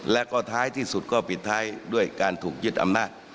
และก็ท้ายที่สุดก็ปิดท้ายด้วยการถูกยึดอำนาจ